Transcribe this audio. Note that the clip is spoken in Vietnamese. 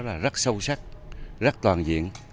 đó là rất sâu sắc rất toàn diện